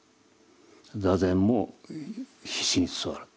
坐禅も必死に座る。